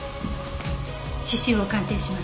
刺繍を鑑定します。